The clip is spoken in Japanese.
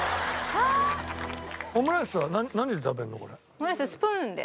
オムライススプーンで。